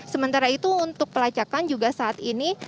sementara itu untuk pelacakan juga saat ini